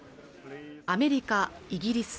アメリカイギリス